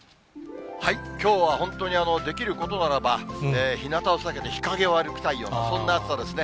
きょうは本当にできることならば、日なたを避けて、日陰を歩きたいような、そんな暑さですね。